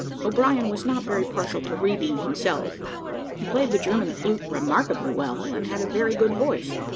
O'Brien was not very partial to reading himself; he played the German flute remarkably well, and had a very good voice.